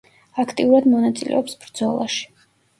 აქტიურად მონაწილეობს ბრძოლაში.